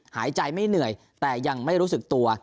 หายใจไม่เหนื่อยแต่ยังไม่รู้สึกตัว